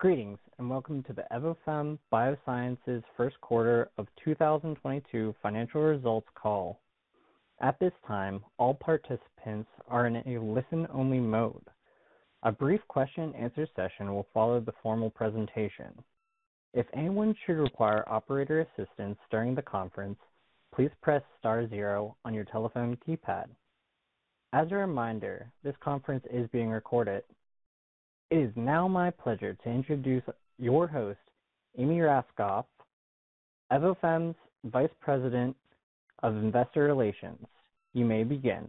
Greetings, and welcome to the Evofem Biosciences first quarter of 2022 financial results call. At this time, all participants are in a listen-only mode. A brief question-and-answer session will follow the formal presentation. If anyone should require operator assistance during the conference, please press star zero on your telephone keypad. As a reminder, this conference is being recorded. It is now my pleasure to introduce your host, Amy Raskopf, Evofem's Vice President of Investor Relations. You may begin.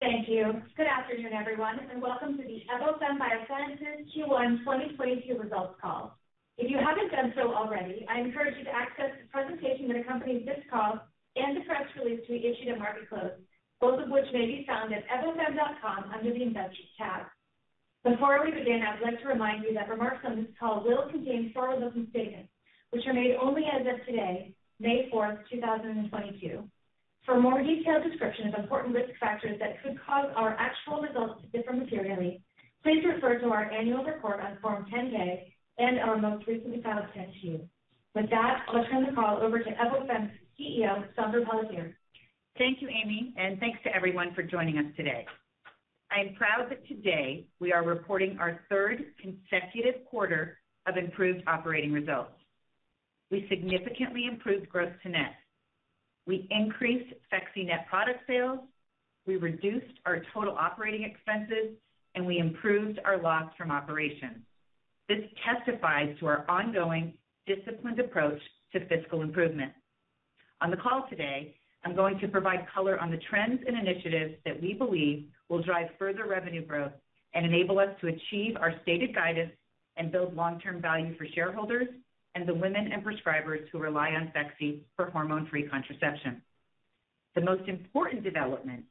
Thank you. Good afternoon, everyone, and welcome to the Evofem Biosciences Q1 2022 results call. If you haven't done so already, I encourage you to access the presentation that accompanies this call and the press release we issued at market close, both of which may be found at evofem.com under the Investors tab. Before we begin, I would like to remind you that remarks on this call will contain forward-looking statements, which are made only as of today, May 4, 2022. For more detailed description of important risk factors that could cause our actual results to differ materially, please refer to our annual report on Form 10-K and our most recently filed 10-Q. With that, I'll turn the call over to Evofem's CEO, Saundra Pelletier. Thank you, Amy. Thanks to everyone for joining us today. I am proud that today we are reporting our third consecutive quarter of improved operating results. We significantly improved gross to net. We increased Phexxi net product sales. We reduced our total operating expenses, and we improved our loss from operations. This testifies to our ongoing disciplined approach to fiscal improvement. On the call today, I'm going to provide color on the trends and initiatives that we believe will drive further revenue growth and enable us to achieve our stated guidance and build long-term value for shareholders and the women and prescribers who rely on Phexxi for hormone-free contraception. The most important development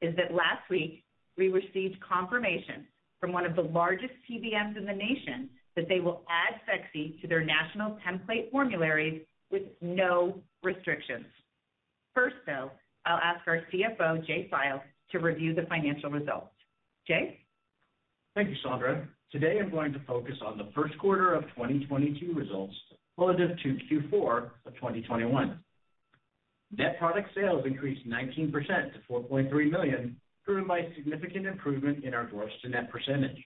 is that last week we received confirmation from one of the largest PBMs in the nation that they will add Phexxi to their national template formularies with no restrictions. First, though, I'll ask our CFO, Jay File, to review the financial results. Jay? Thank you, Saundra. Today, I'm going to focus on the first quarter of 2022 results relative to Q4 of 2021. Net product sales increased 19% to $4.3 million, driven by significant improvement in our gross to net percentage.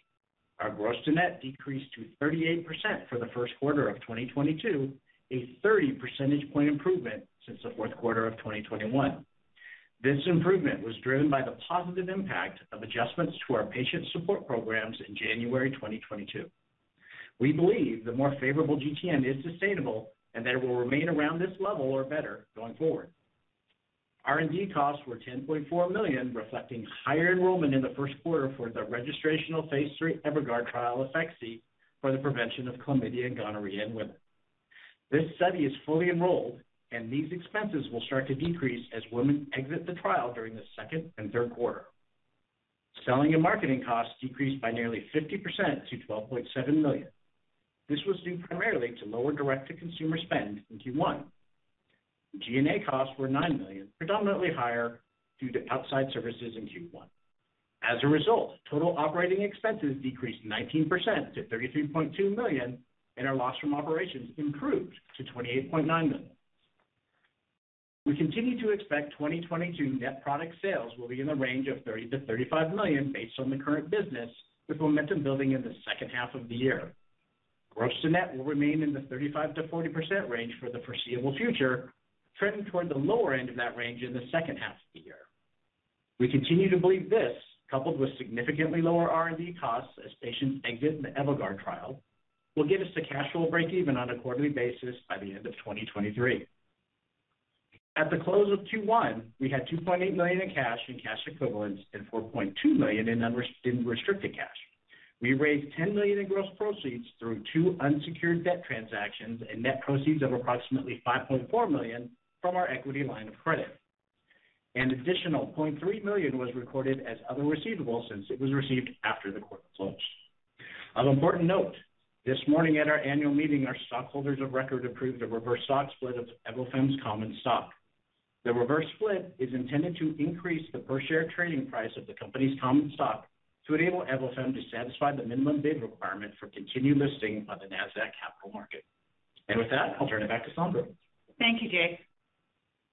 Our gross to net decreased to 38% for the first quarter of 2022, a 30 percentage point improvement since the fourth quarter of 2021. This improvement was driven by the positive impact of adjustments to our patient support programs in January 2022. We believe the more favorable GTN is sustainable and that it will remain around this level or better going forward. R&D costs were $10.4 million, reflecting higher enrollment in the first quarter for the registrational Phase III EVOGUARD trial of Phexxi for the prevention of chlamydia and gonorrhea in women. This study is fully enrolled, and these expenses will start to decrease as women exit the trial during the second and third quarter. Selling and marketing costs decreased by nearly 50% to $12.7 million. This was due primarily to lower direct-to-consumer spend in Q1. G&A costs were $9 million, predominantly higher due to outside services in Q1. As a result, total operating expenses decreased 19% to $33.2 million, and our loss from operations improved to $28.9 million. We continue to expect 2022 net product sales will be in the range of $30 million-$35 million based on the current business, with momentum building in the second half of the year. Gross to net will remain in the 35%-40% range for the foreseeable future, trending toward the lower end of that range in the second half of the year. We continue to believe this, coupled with significantly lower R&D costs as patients exit the EVOGUARD trial, will give us the cash flow breakeven on a quarterly basis by the end of 2023. At the close of Q1, we had $2.8 million in cash and cash equivalents and $4.2 million in unrestricted cash. We raised $10 million in gross proceeds through two unsecured debt transactions and net proceeds of approximately $5.4 million from our equity line of credit. An additional $0.3 million was recorded as other receivables since it was received after the quarter close. An important note, this morning at our annual meeting, our stockholders of record approved a reverse stock split of Evofem's common stock. The reverse split is intended to increase the per-share trading price of the company's common stock to enable Evofem to satisfy the minimum bid requirement for continued listing on the Nasdaq Capital Market. With that, I'll turn it back to Saundra. Thank you, Jay.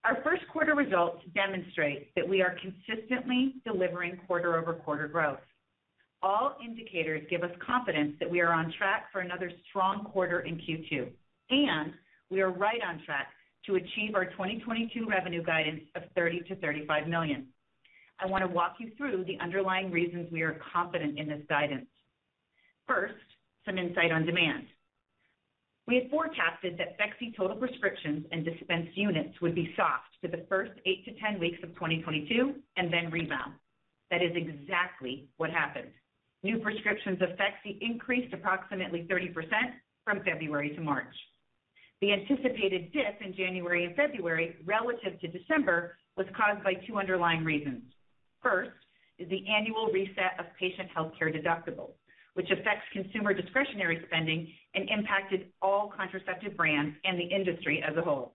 Our first quarter results demonstrate that we are consistently delivering quarter-over-quarter growth. All indicators give us confidence that we are on track for another strong quarter in Q2, and we are right on track to achieve our 2022 revenue guidance of $30 million-$35 million. I want to walk you through the underlying reasons we are confident in this guidance. First, some insight on demand. We had forecasted that Phexxi total prescriptions and dispensed units would be soft for the first eight to 10 weeks of 2022 and then rebound. That is exactly what happened. New prescriptions of Phexxi increased approximately 30% from February to March. The anticipated dip in January and February relative to December was caused by two underlying reasons. First is the annual reset of patient healthcare deductibles, which affects consumer discretionary spending and impacted all contraceptive brands and the industry as a whole.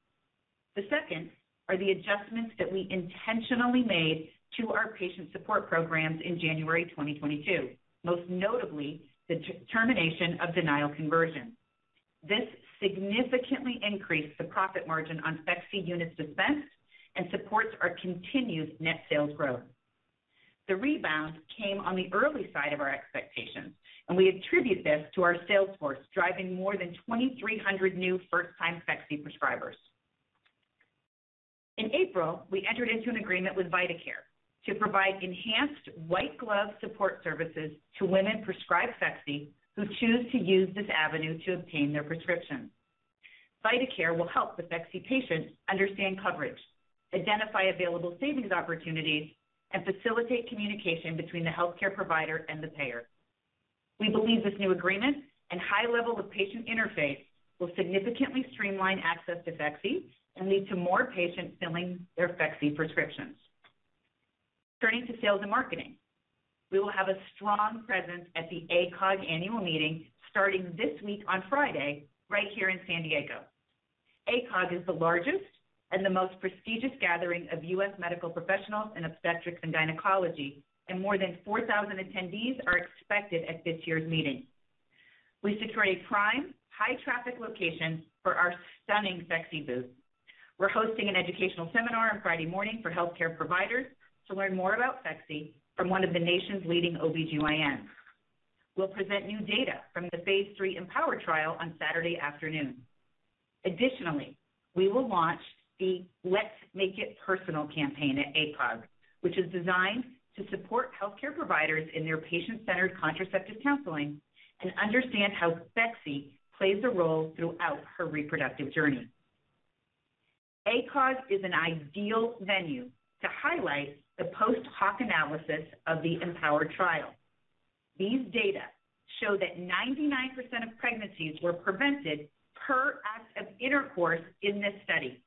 The second are the adjustments that we intentionally made to our patient support programs in January 2022, most notably the termination of denial conversion. This significantly increased the profit margin on Phexxi units dispensed and supports our continued net sales growth. The rebound came on the early side of our expectations, and we attribute this to our sales force driving more than 2,300 new first-time Phexxi prescribers. In April, we entered into an agreement with vitaCare to provide enhanced white glove support services to women prescribed Phexxi who choose to use this avenue to obtain their prescription. VitaCare will help the Phexxi patient understand coverage, identify available savings opportunities, and facilitate communication between the healthcare provider and the payer. We believe this new agreement and high level of patient interface will significantly streamline access to Phexxi and lead to more patients filling their Phexxi prescriptions. Turning to sales and marketing. We will have a strong presence at the ACOG annual meeting starting this week on Friday right here in San Diego. ACOG is the largest and the most prestigious gathering of U.S. medical professionals in obstetrics and gynecology, and more than 4,000 attendees are expected at this year's meeting. We secured a prime, high-traffic location for our stunning Phexxi booth. We're hosting an educational seminar on Friday morning for healthcare providers to learn more about Phexxi from one of the nation's leading OBGYNs. We'll present new data from the Phase III AMPOWER trial on Saturday afternoon. Additionally, we will launch the Let's Make It Personal campaign at ACOG, which is designed to support healthcare providers in their patient-centered contraceptive counseling and understand how Phexxi plays a role throughout her reproductive journey. ACOG is an ideal venue to highlight the post-hoc analysis of the AMPOWER trial. These data show that 99% of pregnancies were prevented per act of intercourse in this study.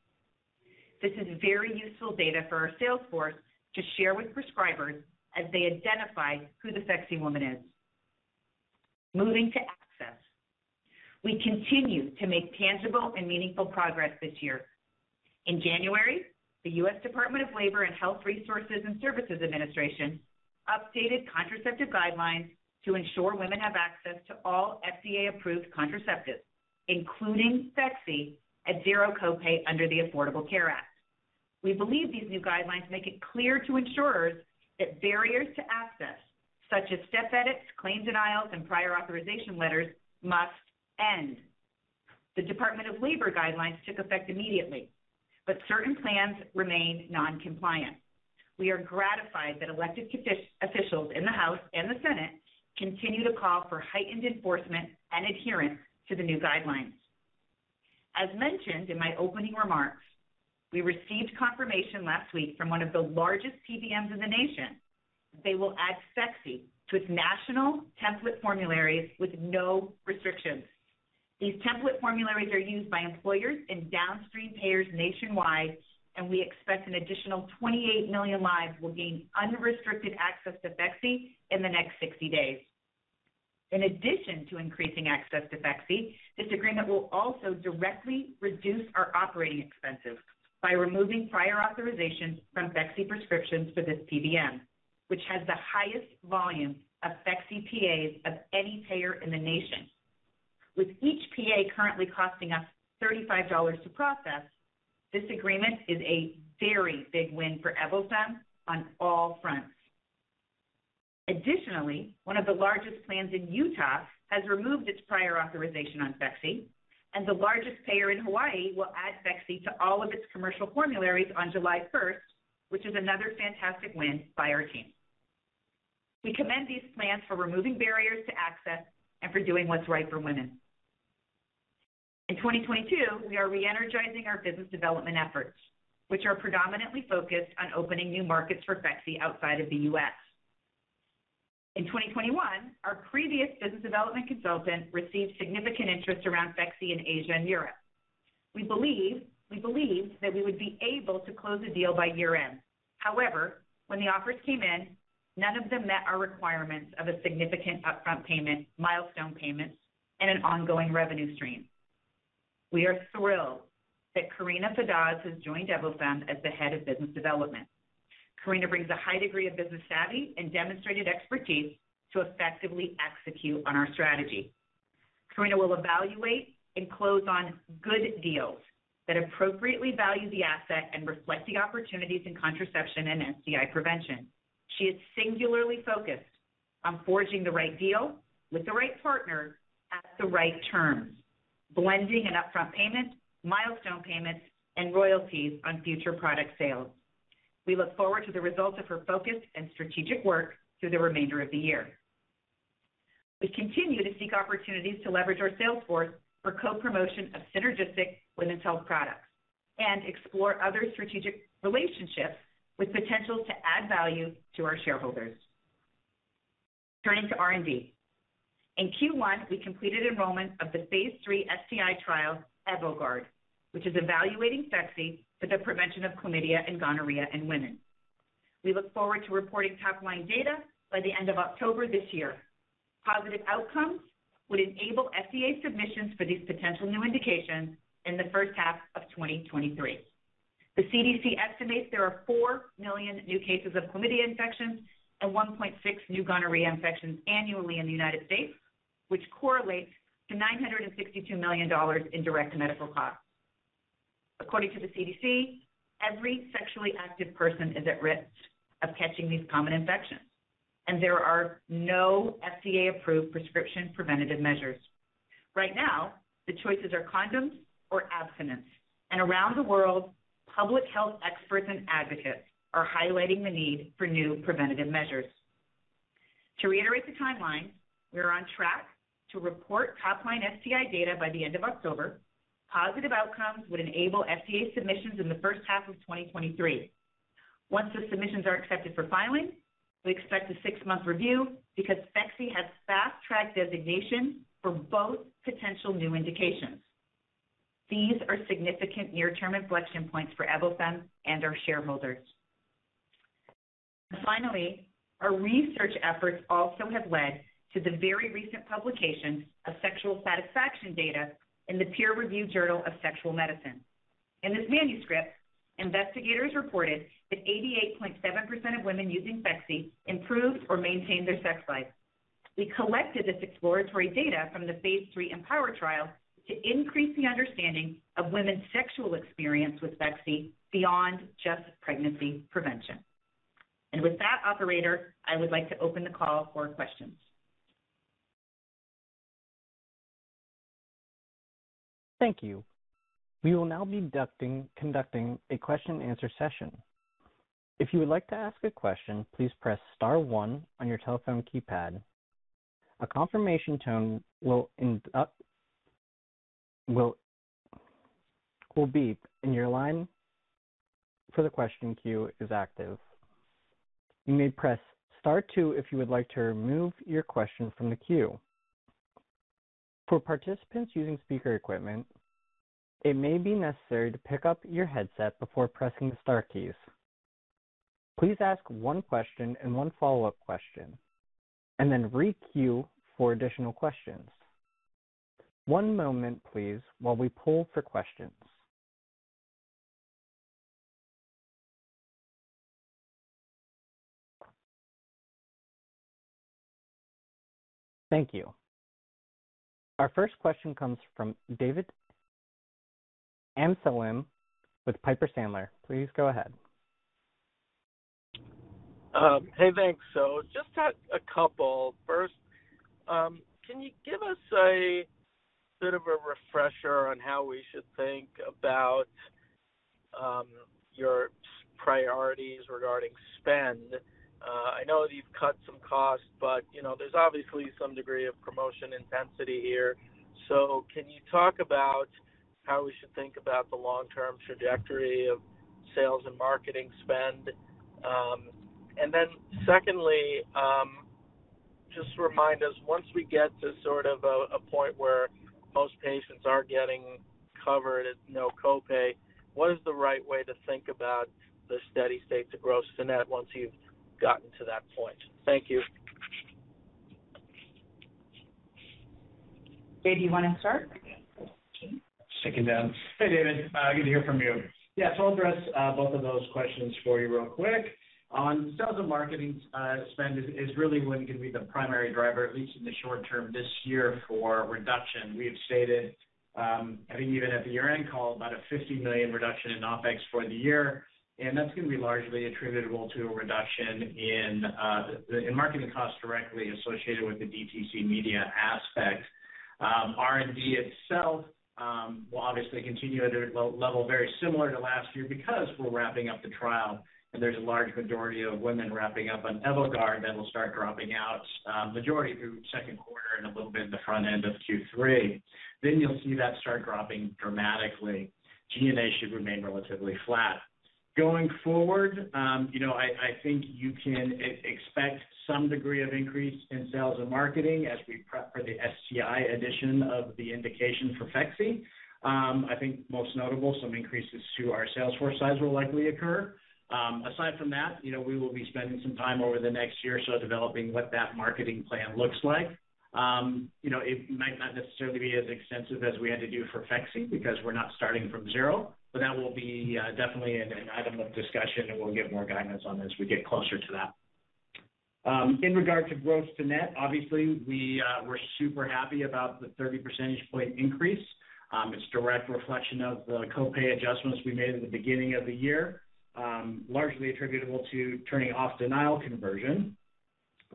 This is very useful data for our sales force to share with prescribers as they identify who the Phexxi woman is. Moving to access. We continue to make tangible and meaningful progress this year. In January, the U.S. Department of Labor and Health Resources and Services Administration updated contraceptive guidelines to ensure women have access to all FDA-approved contraceptives, including Phexxi, at zero copay under the Affordable Care Act. We believe these new guidelines make it clear to insurers that barriers to access, such as step edits, claim denials, and prior authorization letters must end. The Department of Labor guidelines took effect immediately, but certain plans remain non-compliant. We are gratified that elected officials in the House and the Senate continue to call for heightened enforcement and adherence to the new guidelines. As mentioned in my opening remarks, we received confirmation last week from one of the largest PBMs in the nation that they will add Phexxi to its national template formularies with no restrictions. These template formularies are used by employers and downstream payers nationwide, and we expect an additional 28 million lives will gain unrestricted access to Phexxi in the next 60 days. In addition to increasing access to Phexxi, this agreement will also directly reduce our operating expenses by removing prior authorizations from Phexxi prescriptions for this PBM, which has the highest volume of Phexxi PAs of any payer in the nation. With each PA currently costing us $35 to process, this agreement is a very big win for Evofem on all fronts. Additionally, one of the largest plans in Utah has removed its prior authorization on Phexxi, and the largest payer in Hawaii will add Phexxi to all of its commercial formularies on July first, which is another fantastic win by our team. We commend these plans for removing barriers to access and for doing what's right for women. In 2022, we are re-energizing our business development efforts, which are predominantly focused on opening new markets for Phexxi outside of the U.S. In 2021, our previous business development consultant received significant interest around Phexxi in Asia and Europe. We believe, we believed that we would be able to close a deal by year-end. However, when the offers came in, none of them met our requirements of a significant upfront payment, milestone payments, and an ongoing revenue stream. We are thrilled that Karina Fedasz has joined Evofem as the Head of Business Development. Karina brings a high degree of business savvy and demonstrated expertise to effectively execute on our strategy. Karina will evaluate and close on good deals that appropriately value the asset and reflect the opportunities in contraception and STI prevention. She is singularly focused on forging the right deal with the right partner at the right terms, blending an upfront payment, milestone payments, and royalties on future product sales. We look forward to the results of her focused and strategic work through the remainder of the year. We continue to seek opportunities to leverage our sales force for co-promotion of synergistic women's health products and explore other strategic relationships with potential to add value to our shareholders. Turning to R&D. In Q1, we completed enrollment of the Phase III STI trial, EVOGUARD, which is evaluating Phexxi for the prevention of chlamydia and gonorrhea in women. We look forward to reporting top line data by the end of October this year. Positive outcomes would enable FDA submissions for these potential new indications in the first half of 2023. The CDC estimates there are four million new cases of chlamydia infections and 1.6 million new gonorrhea infections annually in the United States, which correlates to $962 million in direct medical costs. According to the CDC, every sexually active person is at risk of catching these common infections, and there are no FDA-approved prescription preventative measures. Right now, the choices are condoms or abstinence, and around the world, public health experts and advocates are highlighting the need for new preventative measures. To reiterate the timeline, we are on track to report top-line STI data by the end of October. Positive outcomes would enable FDA submissions in the first half of 2023. Once the submissions are accepted for filing, we expect a six-month review because Phexxi has fast track designation for both potential new indications. These are significant near-term inflection points for Evofem and our shareholders. Finally, our research efforts also have led to the very recent publication of sexual satisfaction data in The Journal of Sexual Medicine. In this manuscript, investigators reported that 88.7% of women using Phexxi improved or maintained their sex life. We collected this exploratory data from the Phase III AMPOWER trial to increase the understanding of women's sexual experience with Phexxi beyond just pregnancy prevention. With that operator, I would like to open the call for questions. Thank you. We will now be conducting a question answer session. If you would like to ask a question, please press star one on your telephone keypad. A confirmation tone will beep and your line for the question queue is active. You may press star two if you would like to remove your question from the queue. For participants using speaker equipment, it may be necessary to pick up your headset before pressing the star keys. Please ask one question and one follow-up question, and then re-queue for additional questions. One moment please while we poll for questions. Thank you. Our first question comes from David Amsellem with Piper Sandler. Please go ahead. Hey, thanks. Just a couple. First, can you give us a bit of a refresher on how we should think about your priorities regarding spend? I know you've cut some costs, but you know, there's obviously some degree of promotion intensity here. Can you talk about how we should think about the long-term trajectory of sales and marketing spend? Secondly, just remind us, once we get to sort of a point where most patients are getting covered at no copay, what is the right way to think about the steady state to gross to net once you've gotten to that point? Thank you. Jay, do you want to start? Hey, David, good to hear from you. Yeah, I'll address both of those questions for you real quick. On sales and marketing spend is really going to be the primary driver, at least in the short term this year for reduction. We have stated, I think even at the year-end call, about a $50 million reduction in OpEx for the year, and that's going to be largely attributable to a reduction in marketing costs directly associated with the DTC media aspect. R&D itself will obviously continue at a level very similar to last year because we're wrapping up the trial and there's a large majority of women wrapping up on EVOGUARD that will start dropping out, majority through second quarter and a little bit in the front end of Q3. You'll see that start dropping dramatically. G&A should remain relatively flat. Going forward, you know, I think you can expect some degree of increase in sales and marketing as we prep for the STI addition of the indication for Phexxi. I think most notable, some increases to our sales force size will likely occur. Aside from that, you know, we will be spending some time over the next year or so developing what that marketing plan looks like. You know, it might not necessarily be as extensive as we had to do for Phexxi because we're not starting from zero, but that will be definitely an item of discussion and we'll give more guidance on this as we get closer to that. In regard to gross to net, obviously, we're super happy about the 30 percentage point increase. It's direct reflection of the copay adjustments we made at the beginning of the year, largely attributable to turning off denial conversion.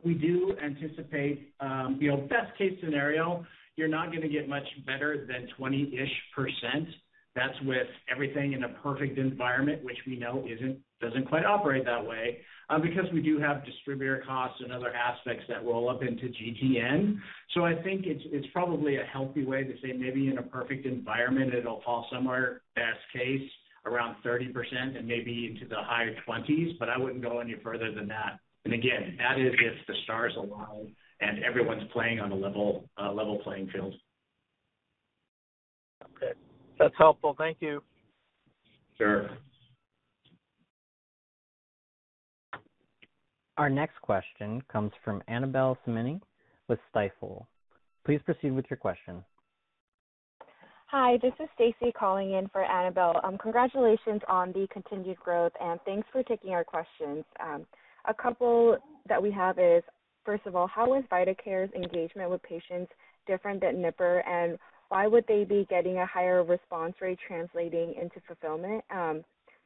We do anticipate, you know, best case scenario, you're not going to get much better than 20-ish%. That's with everything in a perfect environment, which we know doesn't quite operate that way, because we do have distributor costs and other aspects that roll up into GTN. I think it's probably a healthy way to say maybe in a perfect environment it'll fall somewhere best case around 30% and maybe into the higher 20s, but I wouldn't go any further than that. Again, that is if the stars align and everyone's playing on a level playing field. That's helpful. Thank you. Sure. Our next question comes from Annabel Samimy with Stifel. Please proceed with your question. Hi, this is Stacy calling in for Annabel. Congratulations on the continued growth and thanks for taking our questions. A couple that we have is, first of all, how is vitaCare's engagement with patients different than Nuvera, and why would they be getting a higher response rate translating into fulfillment?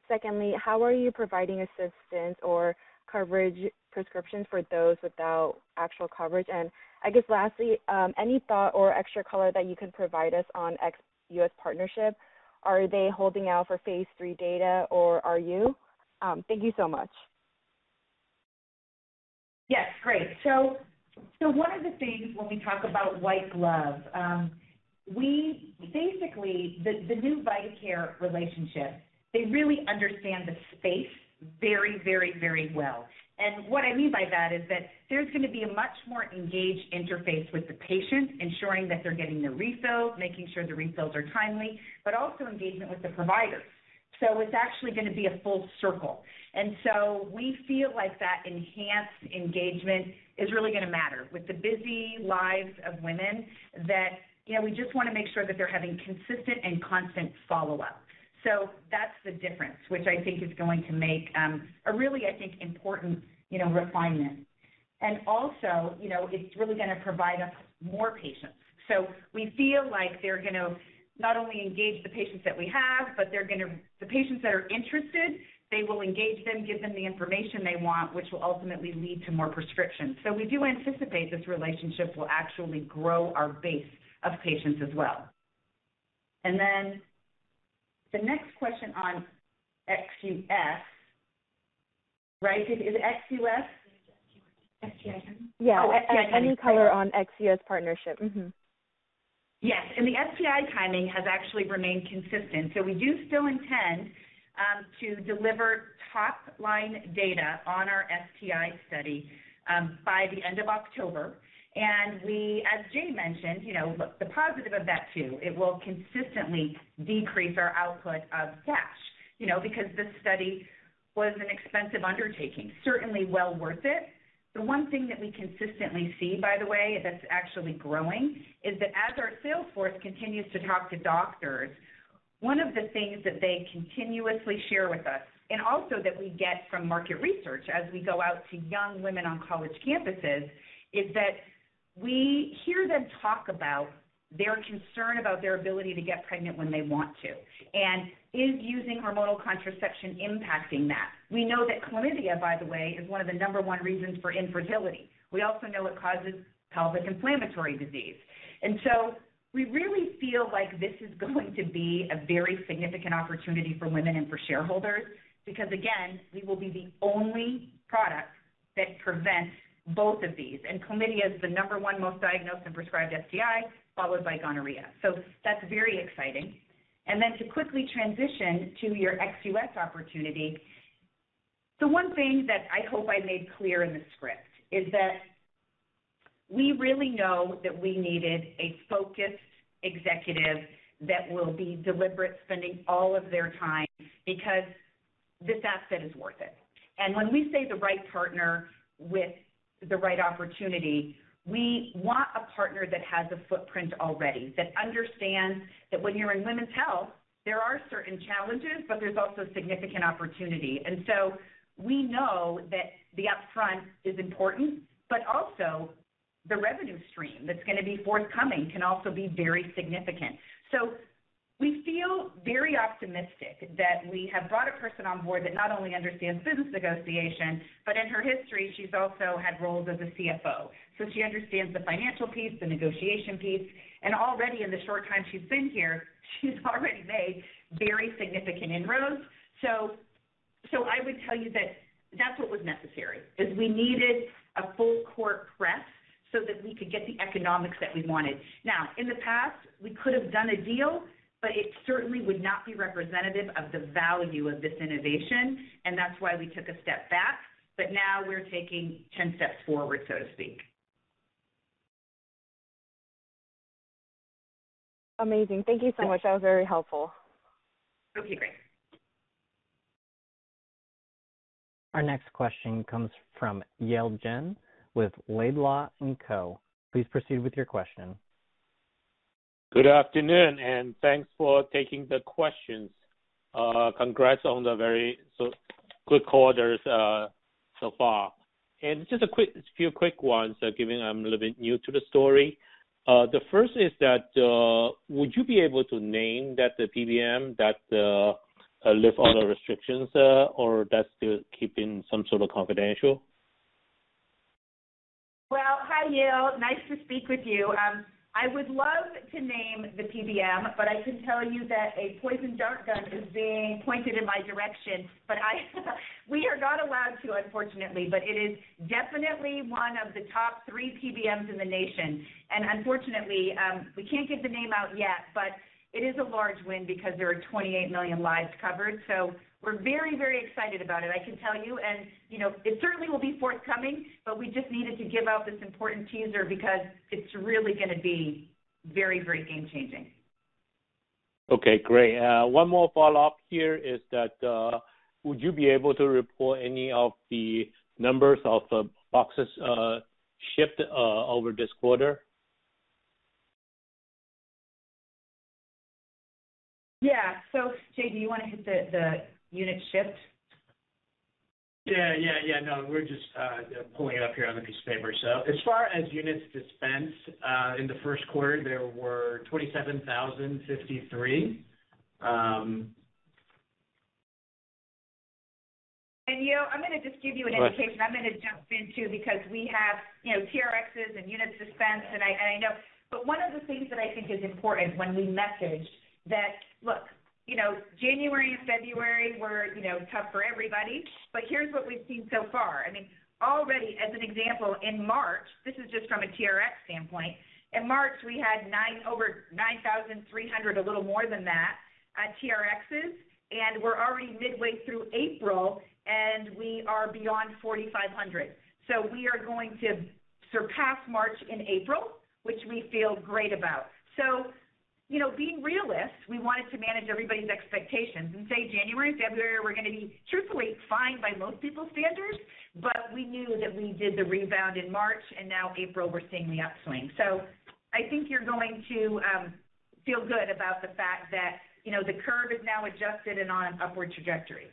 Secondly, how are you providing assistance or coverage prescriptions for those without actual coverage? I guess lastly, any thought or extra color that you can provide us on ex-U.S. partnership, are they holding out for Phase III data or are you? Thank you so much. Yes. Great. One of the things when we talk about white glove, the new vitaCare relationship, they really understand the space very well. What I mean by that is that there's gonna be a much more engaged interface with the patient, ensuring that they're getting the refills, making sure the refills are timely, but also engagement with the provider. It's actually gonna be a full circle. We feel like that enhanced engagement is really gonna matter with the busy lives of women that, you know, we just wanna make sure that they're having consistent and constant follow-up. That's the difference, which I think is going to make a really, I think, important, you know, refinement. Also, you know, it's really gonna provide us more patients. We feel like they're gonna not only engage the patients that we have, but they're gonna. The patients that are interested, they will engage them, give them the information they want, which will ultimately lead to more prescriptions. We do anticipate this relationship will actually grow our base of patients as well. Then the next question on ex-US, right, is it ex-US? STI timing. Yeah. Oh, STI timing. Any color on ex-US partnership? Yes. The STI timing has actually remained consistent. We do still intend to deliver top-line data on our STI study by the end of October. We, as Jay mentioned, you know, the positive of that too, it will consistently decrease our output of cash, you know, because this study was an expensive undertaking, certainly well worth it. The one thing that we consistently see, by the way, that's actually growing, is that as our sales force continues to talk to doctors, one of the things that they continuously share with us and also that we get from market research as we go out to young women on college campuses, is that we hear them talk about their concern about their ability to get pregnant when they want to, and is using hormonal contraception impacting that. We know that chlamydia, by the way, is one of the number one reasons for infertility. We also know it causes pelvic inflammatory disease. We really feel like this is going to be a very significant opportunity for women and for shareholders because again, we will be the only product that prevents both of these. Chlamydia is the number one most diagnosed and prescribed STI, followed by gonorrhea. That's very exciting. To quickly transition to your ex-US opportunity. The one thing that I hope I made clear in the script is that we really know that we needed a focused executive that will be deliberate spending all of their time because this asset is worth it. When we say the right partner with the right opportunity, we want a partner that has a footprint already that understands that when you're in women's health, there are certain challenges, but there's also significant opportunity. We know that the upfront is important, but also the revenue stream that's gonna be forthcoming can also be very significant. We feel very optimistic that we have brought a person on board that not only understands business negotiation, but in her history she's also had roles as a CFO. She understands the financial piece, the negotiation piece, and already in the short time she's been here, she's already made very significant inroads. I would tell you that that's what was necessary, is we needed a full court press so that we could get the economics that we wanted. Now in the past, we could have done a deal, but it certainly would not be representative of the value of this innovation, and that's why we took a step back. Now we're taking 10 steps forward, so to speak. Amazing. Thank you so much. That was very helpful. Okay, great. Our next question comes from Yi Chen with Laidlaw & Company. Please proceed with your question. Good afternoon and thanks for taking the questions. Congrats on the very solid quarters so far. Just a few quick ones, given I'm a little bit new to the story. The first is that, would you be able to name that PBM that lifted all the restrictions, or is that still kept confidential? Well, hi, Yi. Nice to speak with you. I would love to name the PBM, but I can tell you that a poison dart gun is being pointed in my direction. But we are not allowed to, unfortunately, but it is definitely one of the top three PBMs in the nation. Unfortunately, we can't get the name out yet, but it is a large win because there are 28 million lives covered. We're very, very excited about it, I can tell you. You know, it certainly will be forthcoming, but we just needed to give out this important teaser because it's really gonna be very, very game-changing. Okay, great. One more follow-up here is that, would you be able to report any of the numbers of boxes shipped over this quarter? Yeah. Jay, do you wanna hit the units shipped? Yeah, no. We're just pulling it up here on the piece of paper. As far as units dispensed in the first quarter, there were 27,053. You know, I'm gonna just give you an indication. I'm gonna jump in too because we have, you know, TRx and units dispensed and I know. One of the things that I think is important when we message that, look, you know, January and February were, you know, tough for everybody, but here's what we've seen so far. I mean, already as an example in March, this is just from a TRx standpoint. In March we had over 9,300, a little more than that, TRx. We're already midway through April and we are beyond 4,500. We are going to surpass March in April, which we feel great about. You know, being realists, we wanted to manage everybody's expectations and say January and February were gonna be truthfully fine by most people's standards. We knew that we did the rebound in March and now April we're seeing the upswing. I think you're going to feel good about the fact that, you know, the curve is now adjusted and on an upward trajectory.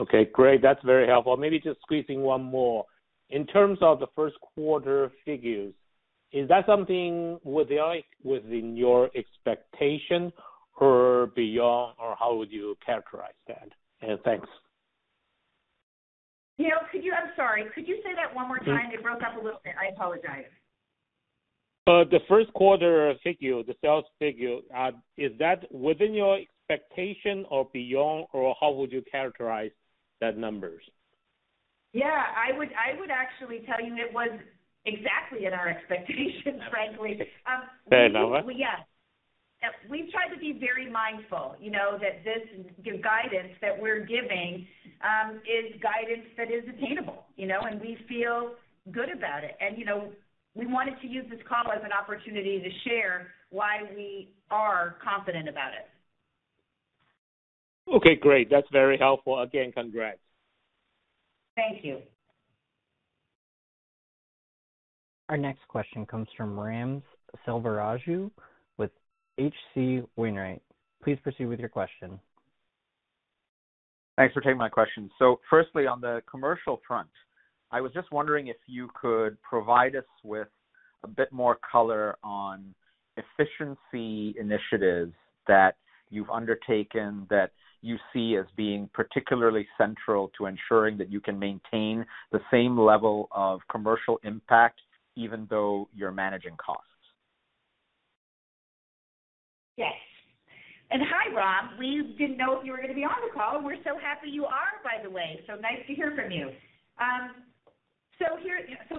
Okay, great. That's very helpful. Maybe just squeezing one more. In terms of the first quarter figures, is that something within your expectation or beyond or how would you characterize that? Thanks. You know, I'm sorry, could you say that one more time? It broke up a little bit. I apologize. The first quarter figure, the sales figure, is that within your expectation or beyond or how would you characterize that numbers? Yeah, I would actually tell you it was exactly in our expectations, frankly. Say that one. Yeah. We've tried to be very mindful, you know, that this guidance that we're giving is guidance that is attainable. You know, we feel good about it. You know, we wanted to use this call as an opportunity to share why we are confident about it. Okay, great. That's very helpful. Again, congrats. Thank you. Our next question comes from Ram Selvaraju with H.C. Wainwright. Please proceed with your question. Thanks for taking my question. Firstly on the commercial front, I was just wondering if you could provide us with a bit more color on efficiency initiatives that you've undertaken that you see as being particularly central to ensuring that you can maintain the same level of commercial impact even though you're managing costs? Yes. Hi, Ram. We didn't know you were gonna be on the call. We're so happy you are, by the way. Nice to hear from you.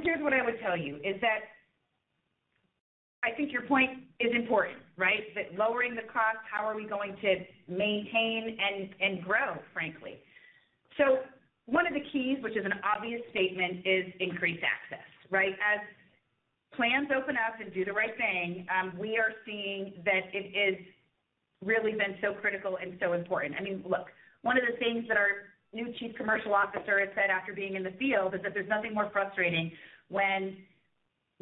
Here's what I would tell you is that I think your point is important, right? That lowering the cost, how are we going to maintain and grow, frankly. One of the keys which is an obvious statement is increased access, right? As plans open up and do the right thing, we are seeing that it is really been so critical and so important. I mean, look, one of the things that our new chief commercial officer has said after being in the field is that there's nothing more frustrating when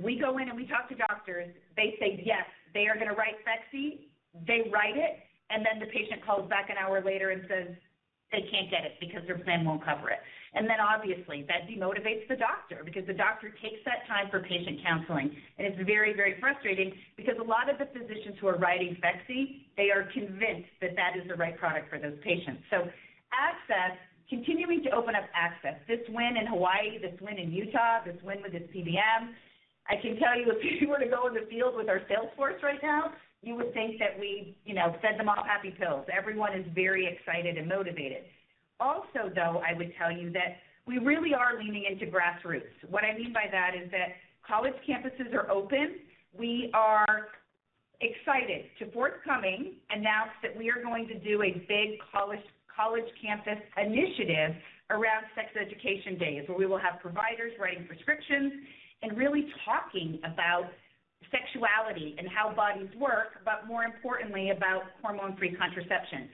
we go in and we talk to doctors. They say, yes, they are gonna write Phexxi, they write it and then the patient calls back an hour later and says they can't get it because their plan won't cover it. Obviously that demotivates the doctor because the doctor takes that time for patient counseling and it's very, very frustrating because a lot of the physicians who are writing Phexxi, they are convinced that that is the right product for those patients. Access, continuing to open up access. This win in Hawaii, this win in Utah, this win with this PBM, I can tell you if you were to go in the field with our sales force right now, you would think that we, you know, fed them all happy pills. Everyone is very excited and motivated. Also though I would tell you that we really are leaning into grassroots. What I mean by that is that college campuses are open. We are excited to forthcoming announce that we are going to do a big college campus initiative around sex education days where we will have providers writing prescriptions and really talking about sexuality and how bodies work, but more importantly about hormone-free contraception.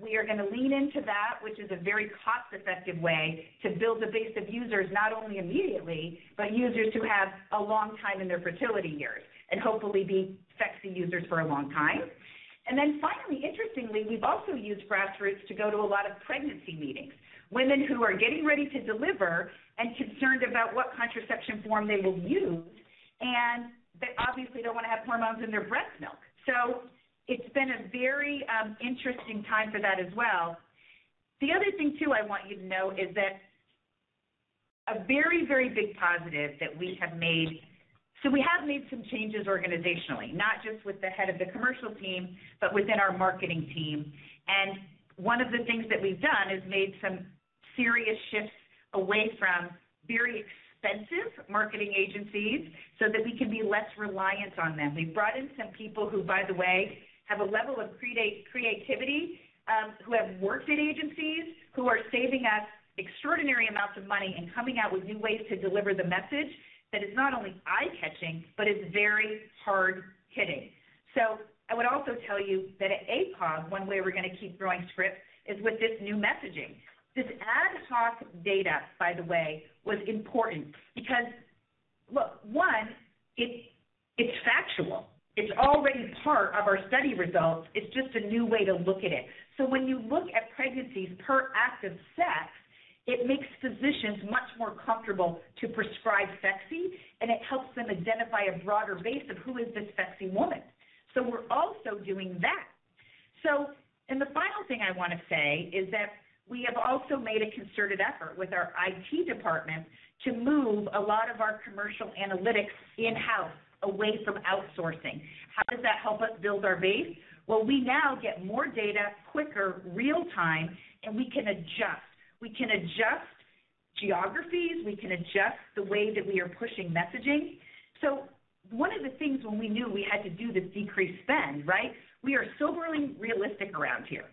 We are gonna lean into that which is a very cost-effective way to build a base of users, not only immediately, but users who have a long time in their fertility years and hopefully be Phexxi users for a long time. Then finally, interestingly, we've also used grassroots to go to a lot of pregnancy meetings. Women who are getting ready to deliver and concerned about what contraception form they will use and they obviously don't wanna have hormones in their breast milk. It's been a very, interesting time for that as well. The other thing too I want you to know is that a very, very big positive that we have made. We have made some changes organizationally, not just with the head of the commercial team, but within our marketing team. One of the things that we've done is made some serious shifts away from very expensive marketing agencies so that we can be less reliant on them. We've brought in some people who by the way have a level of creativity, who have worked at agencies who are saving us extraordinary amounts of money and coming out with new ways to deliver the message that is not only eye-catching, but is very hard-hitting. I would also tell you that at ACOG, one way we're going to keep growing script is with this new messaging. This ad hoc data, by the way, was important because, look, one, it's factual. It's already part of our study results. It's just a new way to look at it. When you look at pregnancies per active sex, it makes physicians much more comfortable to prescribe Phexxi, and it helps them identify a broader base of who is this Phexxi woman. We're also doing that. The final thing I want to say is that we have also made a concerted effort with our IT department to move a lot of our commercial analytics in-house, away from outsourcing. How does that help us build our base? Well, we now get more data quicker, real-time, and we can adjust. We can adjust geographies, we can adjust the way that we are pushing messaging. One of the things when we knew we had to do this decreased spend, right, we are soberly realistic around here.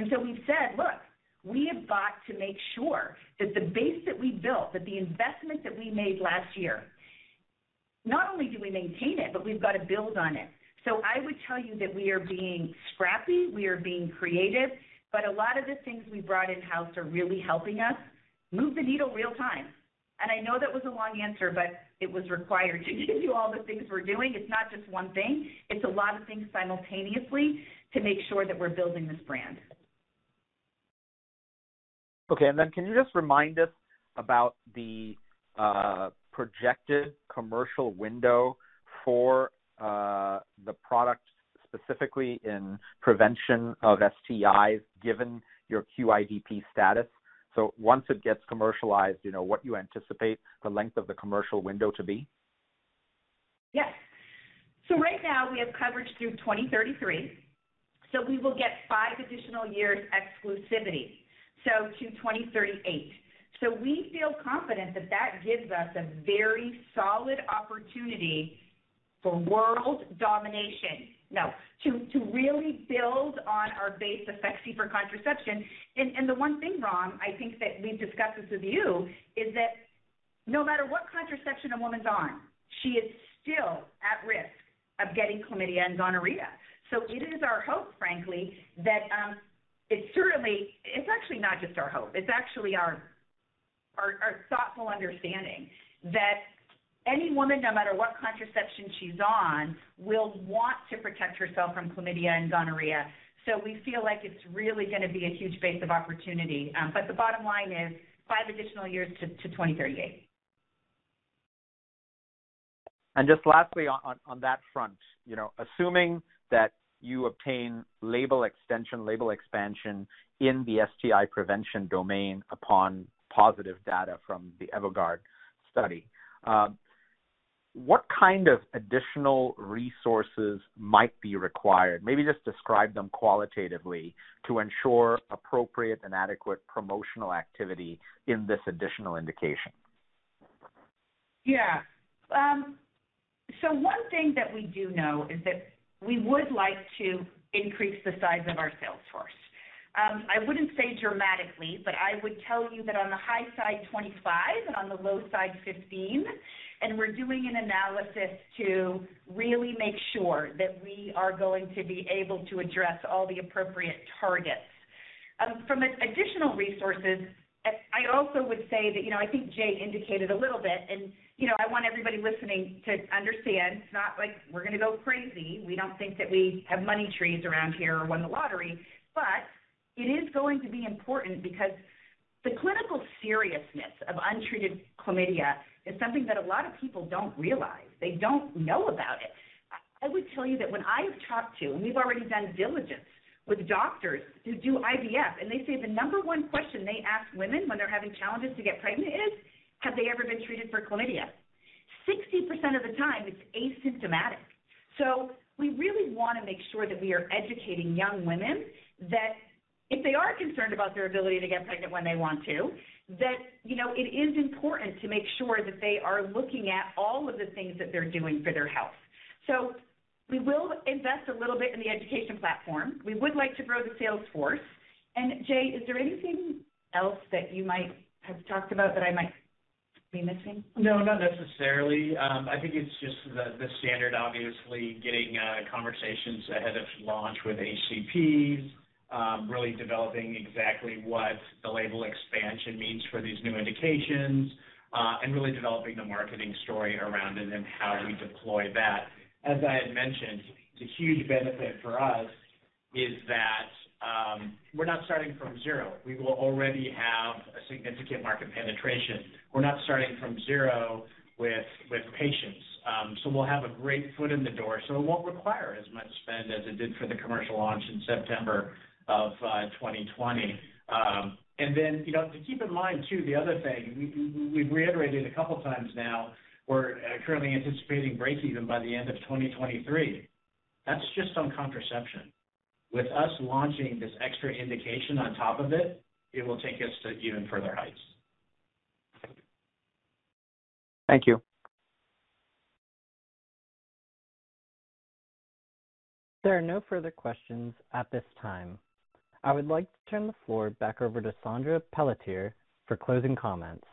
We've said, "Look, we have got to make sure that the base that we built, that the investment that we made last year, not only do we maintain it, but we've got to build on it." I would tell you that we are being scrappy, we are being creative, but a lot of the things we brought in-house are really helping us move the needle real time. I know that was a long answer, but it was required to give you all the things we're doing. It's not just one thing. It's a lot of things simultaneously to make sure that we're building this brand. Okay. Can you just remind us about the projected commercial window for the product, specifically in prevention of STIs, given your QIDP status. Once it gets commercialized, you know, what you anticipate the length of the commercial window to be? Yes. Right now, we have coverage through 2033. We will get five additional years exclusivity, to 2038. We feel confident that that gives us a very solid opportunity for world domination. No. To really build on our base with Phexxi for contraception. The one thing, Ram, I think that we've discussed this with you, is that no matter what contraception a woman's on, she is still at risk of getting chlamydia and gonorrhea. It's actually not just our hope. It's actually our thoughtful understanding that any woman, no matter what contraception she's on, will want to protect herself from chlamydia and gonorrhea. We feel like it's really going to be a huge base of opportunity. The bottom line is five additional years to 2038. Just lastly on that front. You know, assuming that you obtain label extension, label expansion in the STI prevention domain upon positive data from the EVOGUARD study, what kind of additional resources might be required? Maybe just describe them qualitatively to ensure appropriate and adequate promotional activity in this additional indication. Yeah. One thing that we do know is that we would like to increase the size of our sales force. I wouldn't say dramatically, but I would tell you that on the high side, 25, and on the low side, 15, and we're doing an analysis to really make sure that we are going to be able to address all the appropriate targets. From an additional resources, I also would say that, you know, I think Jay indicated a little bit, and, you know, I want everybody listening to understand it's not like we're going to go crazy. We don't think that we have money trees around here or won the lottery. It is going to be important because the clinical seriousness of untreated chlamydia is something that a lot of people don't realize. They don't know about it. I would tell you that when I've talked to, and we've already done diligence with doctors who do IVF, and they say the number one question they ask women when they're having challenges to get pregnant is, have they ever been treated for chlamydia? 60% of the time, it's asymptomatic. We really want to make sure that we are educating young women that if they are concerned about their ability to get pregnant when they want to, that, you know, it is important to make sure that they are looking at all of the things that they're doing for their health. We will invest a little bit in the education platform. We would like to grow the sales force. Jay, is there anything else that you might have talked about that I might be missing? No, not necessarily. I think it's just the standard, obviously, getting conversations ahead of launch with HCPs, really developing exactly what the label expansion means for these new indications, and really developing the marketing story around it and how we deploy that. As I had mentioned, the huge benefit for us is that, we're not starting from zero. We will already have a significant market penetration. We're not starting from zero with patients. So we'll have a great foot in the door, so it won't require as much spend as it did for the commercial launch in September of 2020. And then, you know, to keep in mind too, the other thing, we've reiterated a couple times now, we're currently anticipating break even by the end of 2023. That's just on contraception. With us launching this extra indication on top of it will take us to even further heights. Thank you. There are no further questions at this time. I would like to turn the floor back over to Saundra Pelletier for closing comments.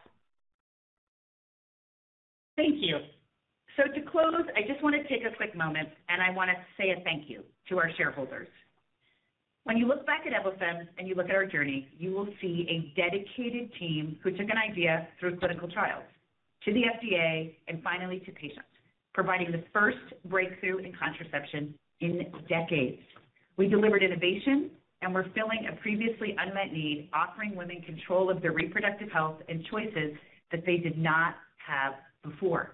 Thank you. To close, I just want to take a quick moment, and I want to say a thank you to our shareholders. When you look back at Evofem Biosciences and you look at our journey, you will see a dedicated team who took an idea through clinical trials to the FDA and finally to patients, providing the first breakthrough in contraception in decades. We delivered innovation and we're filling a previously unmet need, offering women control of their reproductive health and choices that they did not have before.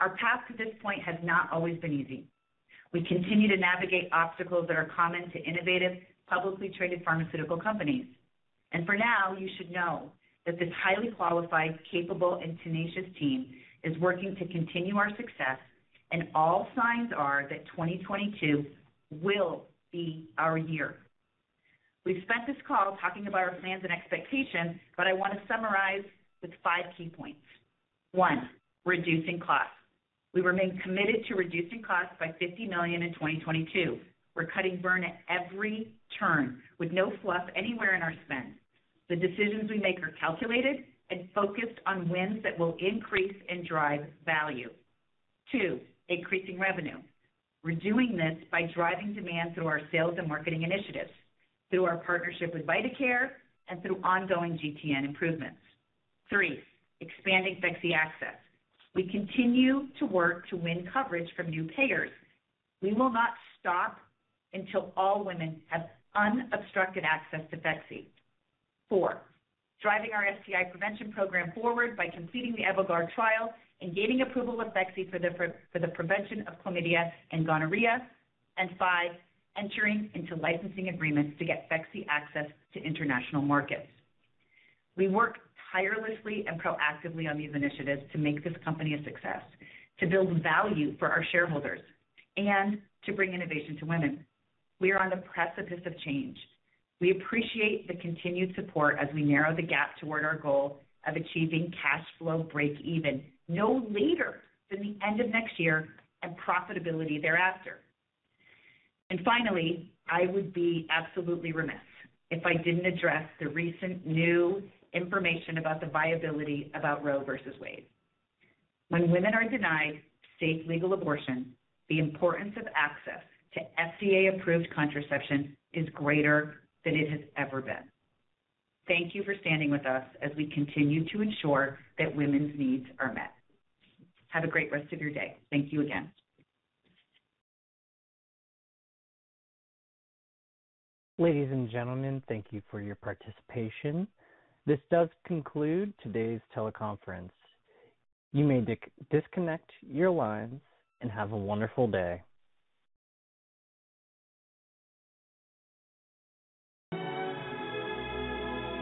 Our path to this point has not always been easy. We continue to navigate obstacles that are common to innovative, publicly traded pharmaceutical companies. For now, you should know that this highly qualified, capable, and tenacious team is working to continue our success. All signs are that 2022 will be our year. We've spent this call talking about our plans and expectations, but I want to summarize with five key points. One, reducing costs. We remain committed to reducing costs by $50 million in 2022. We're cutting burn at every turn with no fluff anywhere in our spend. The decisions we make are calculated and focused on wins that will increase and drive value. Two, increasing revenue. We're doing this by driving demand through our sales and marketing initiatives, through our partnership with vitaCare and through ongoing GTN improvements. Three, expanding Phexxi access. We continue to work to win coverage from new payers. We will not stop until all women have unobstructed access to Phexxi. Four, driving our STI prevention program forward by completing the EVOGUARD trial and gaining approval with Phexxi for the prevention of chlamydia and gonorrhea. Five, entering into licensing agreements to get Phexxi access to international markets. We work tirelessly and proactively on these initiatives to make this company a success, to build value for our shareholders, and to bring innovation to women. We are on the precipice of change. We appreciate the continued support as we narrow the gap toward our goal of achieving cash flow breakeven no later than the end of next year and profitability thereafter. Finally, I would be absolutely remiss if I didn't address the recent new information about the viability of Roe v. Wade. When women are denied safe legal abortion, the importance of access to FDA-approved contraception is greater than it has ever been. Thank you for standing with us as we continue to ensure that women's needs are met. Have a great rest of your day. Thank you again. Ladies and gentlemen, thank you for your participation. This does conclude today's teleconference. You may disconnect your lines and have a wonderful day.